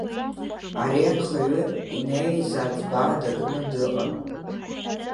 Ари анхаҩы инеиз аӡба дакны дыҟан.